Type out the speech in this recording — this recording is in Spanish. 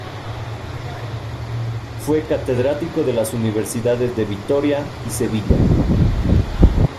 Fue catedrático de las universidades de Vitoria y Sevilla.